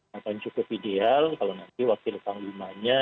akan cukup ideal kalau nanti wakil panglimanya